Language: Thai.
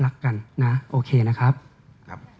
รักกันนะโอเคนะครับ